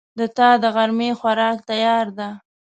د تا دغرمې خوراک تیار ده